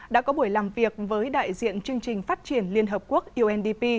đã có buổi làm việc với đại diện chương trình phát triển liên hợp quốc undp